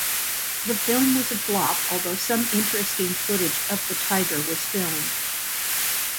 The film was a flop, although some interesting footage of the tiger was filmed.